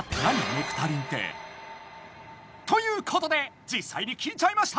ネクタリンって。ということでじっさいに聞いちゃいました！